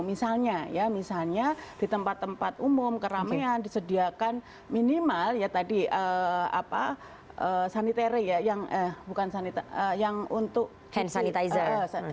misalnya di tempat tempat umum keramaian disediakan minimal sanitari ya yang untuk hand sanitizer